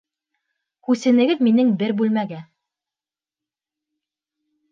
Күсенегеҙ минең бер бүлмәгә.